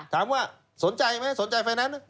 ถามว่าสนใจไหมสนใจไฟแนนซ์